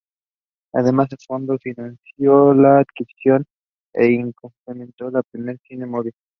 Además el fondo financió la adquisición e implementación del primer cine móvil.